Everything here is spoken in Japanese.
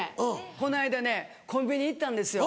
この間ねコンビニ行ったんですよ。